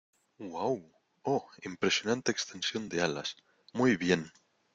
¡ Uau! Oh, impresionante extensión de alas. ¡ muy bien !